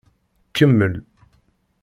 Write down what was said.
Kemmel.